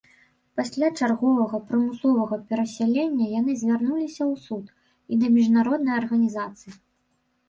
Пасля чарговага прымусовага перасялення яны звярнуліся ў суд і да міжнародных арганізацый.